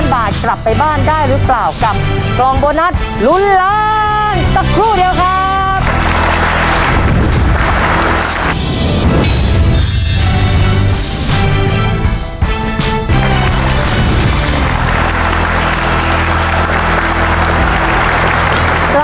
มั่นใจมั้ยลูกน้องเบล